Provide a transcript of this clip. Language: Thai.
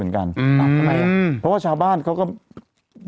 ถูกต้องถูกต้องถูกต้อง